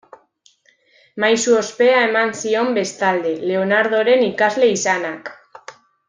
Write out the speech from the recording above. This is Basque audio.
Maisu ospea eman zion, bestalde, Leonardoren ikasle izanak.